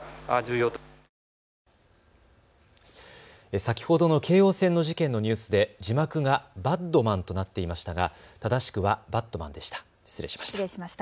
先ほどの京王線の事件のニュースで字幕がバッドマンとなっていましたが正しくはバットマンでした。